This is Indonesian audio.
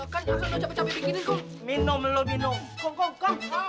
kan aku lo capek capek bikinin kong